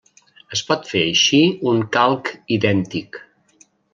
Es pot fer així un calc idèntic.